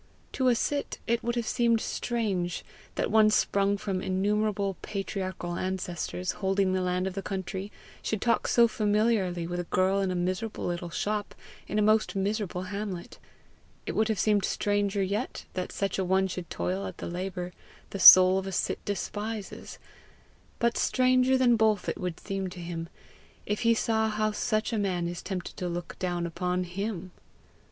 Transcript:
To a cit it would have seemed strange that one sprung from innumerable patriarchal ancestors holding the land of the country, should talk so familiarly with a girl in a miserable little shop in a most miserable hamlet; it would have seemed stranger yet that such a one should toil at the labour the soul of a cit despises; but stranger than both it would seem to him, if he saw how such a man is tempted to look down upon HIM.